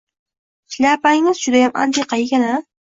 Shlyapangiz judayam antiqa ekan-a?